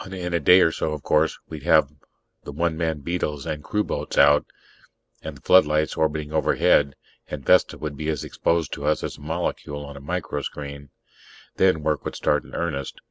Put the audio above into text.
In a day or so, of course, we'd have the one man beetles and crewboats out, and the floodlights orbiting overhead, and Vesta would be as exposed to us as a molecule on a microscreen. Then work would start in earnest.